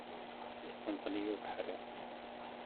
Yesṭenṭen-iyi ubeḥri.